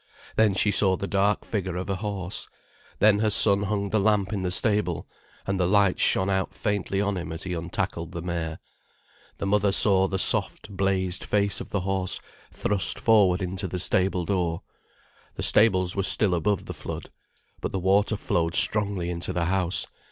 Then she saw the dark figure of a horse: then her son hung the lamp in the stable, and the light shone out faintly on him as he untackled the mare. The mother saw the soft blazed face of the horse thrust forward into the stable door. The stables were still above the flood. But the water flowed strongly into the house.